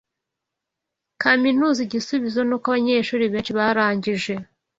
kaminuza Igisubizo nuko abanyeshuri benshi barangije